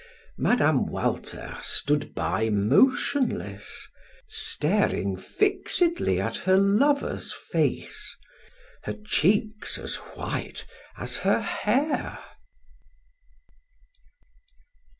Mme. Walter stood by motionless, staring fixedly at her lover's face, her cheeks as white as her hair.